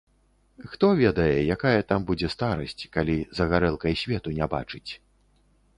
Хто ведае, якая там будзе старасць, калі за гарэлкай свету не бачыць.